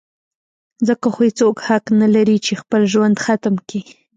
ځکه خو هېڅوک حق نه لري چې خپل ژوند ختم کي.